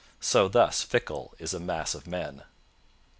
For thus fickle is a mass of men.